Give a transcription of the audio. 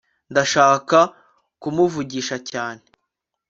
ndashaka kumuvugisha cyane